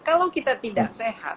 kalau kita tidak sehat